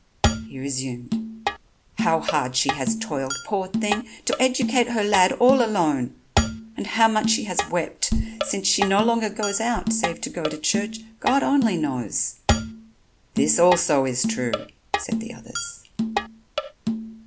He resumed: "How hard she has toiled, poor thing, to educate her lad all alone, and how much she has wept since she no longer goes out, save to go to church, God only knows." "This also is true," said the others.